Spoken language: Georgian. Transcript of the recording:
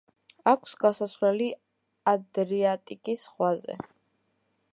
აქვს გასასვლელი ადრიატიკის ზღვაზე.